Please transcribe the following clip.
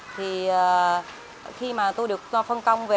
thì khi mà tôi được phân công về